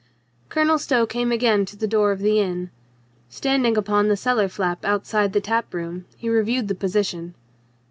Colonel Stow came again to the door of the inn. Standing upon the cellar flap outside the tap room, he reviewed the position.